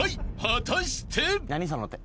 ［果たして？］